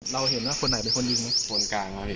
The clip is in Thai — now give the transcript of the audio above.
เราเห็นว่าคนไหนเป็นคนยิงคนกลางครับพี่